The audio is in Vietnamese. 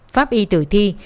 pháp y tử thi